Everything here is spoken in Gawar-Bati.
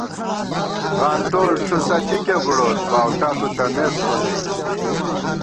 غانٹول ٹُھسہ ݪِکے بُڑوت باؤٹا تُو تمېس خونئ